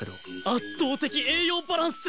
圧倒的栄養バランス！